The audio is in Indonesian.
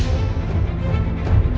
aku ingin menerima keadaanmu